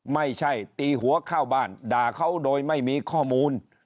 ไม่ใช่ตีหัวเข้าบ้านด่าเขาโดยไม่มีข้อมูล